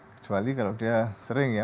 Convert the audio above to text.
kecuali kalau dia sering ya